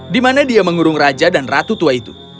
di mana dia mengurung raja dan ratu tua itu